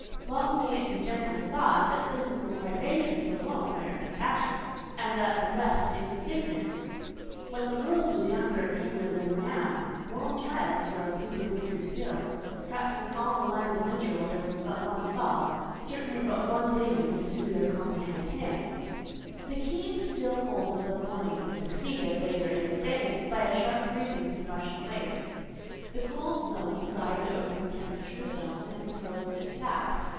Long may it be generally thought that physical privations alone merit compassion, and that the rest is a figment. When the world was younger and haler than now, moral trials were a deeper mystery still: perhaps in all the land of Israel there was but one Saul—certainly but one David to soothe or comprehend him. The keen, still cold of the morning was succeeded, later in the day, by a sharp breathing from Russian wastes: the cold zone sighed over the temperate zone, and froze it fast.